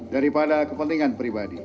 dari pada kepentingan pribadi